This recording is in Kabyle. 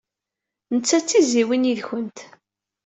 Netta d tizzyiwin yid-went.